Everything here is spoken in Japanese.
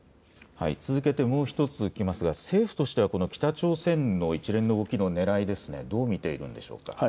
続けてもう１ついきますが政府としては北朝鮮の一連の動きのねらい、どう見ているんでしょうか。